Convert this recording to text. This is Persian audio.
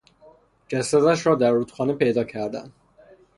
جسدش را در رودخانه پیدا کردند.